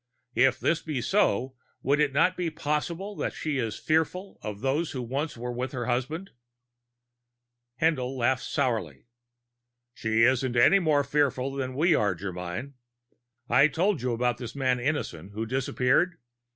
If this be so, would it not be possible that she is fearful of those who once were with her husband?" Haendl laughed sourly. "She isn't any more fearful than we are, Germyn. I told you about this man Innison who disappeared.